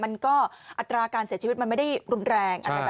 อัตราการเสียชีวิตมันไม่ได้รุนแรง